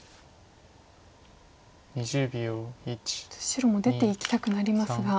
白も出ていきたくなりますが。